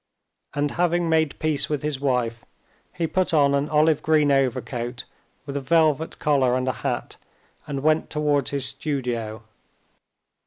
And having made peace with his wife he put on an olive green overcoat with a velvet collar and a hat, and went towards his studio.